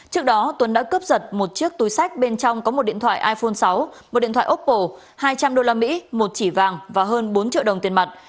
trước đó tuấn đã cướp giật một chiếc túi sách bên trong có một điện thoại iphone sáu một điện thoại ốp bồ hai trăm linh usd một chỉ vàng và hơn bốn triệu đồng tiền mặt